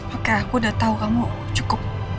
oke aku udah tahu kamu cukup